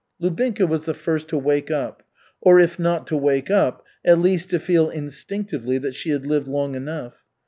Lubinka was the first to wake up, or if not to wake up, at least to feel instinctively that she had lived long enough.